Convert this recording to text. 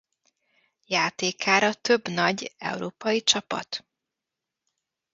Játékára több nagy európai csapat.